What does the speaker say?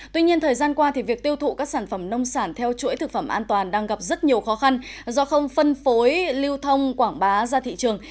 tuy nhiên thời gian qua việc tiêu thụ các sản phẩm nông sản theo chuỗi thực phẩm an toàn đang gặp rất nhiều khó khăn do không phân phối lưu thông quảng bá ra thị trường